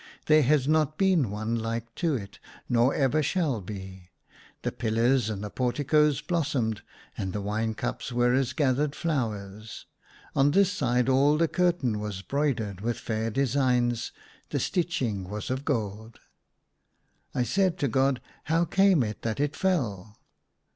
There has not been one Hke to it, nor ever shall be. The pillars and the porti coes blossomed; and the wine cups were as gathered flowers : on this side all the curtain was broidered with fair designs, the stitching was of gold." I said to God, *' How came it that it fell?"